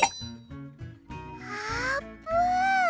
あーぷん！